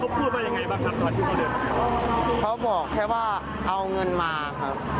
เขาพูดไปยังไงบ้างครับท่านยุโรเดชน์เขาบอกแค่ว่าเอาเงินมาครับ